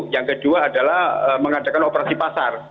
yang kedua adalah mengadakan operasi pasar